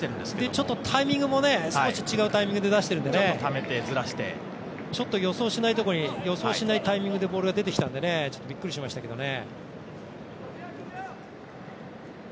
ちょっとタイミングも少し違うタイミングで出しているんでねちょっと予想しないところに予想しないタイミングでボールが出てきたのでちょっとびっくりしましたけどね。